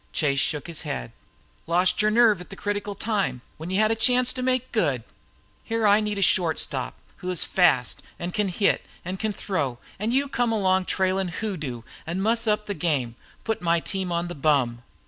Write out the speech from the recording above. Chase shook his head. "Lost your nerve at the critical time, when you had a chance to make good. Here I need a short stop who is fast, an can hit an' throw; an' you come along trailin' a hoodoo an' muss up the game. Put my team on the bum!"